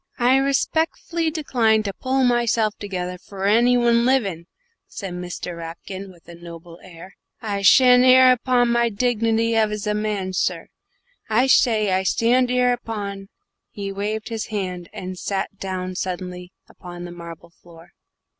"I respeckfully decline to pull myshelf togerrer f'r anybody livin'," said Mr. Rapkin, with a noble air. "I shtan' 'ere upon my dignity as a man, sir. I shay, I shtand 'ere upon " Here he waved his hand, and sat down suddenly upon the marble floor.